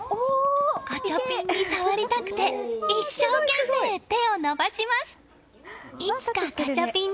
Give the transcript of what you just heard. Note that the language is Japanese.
ガチャピンに触りたくて一生懸命、手を伸ばします！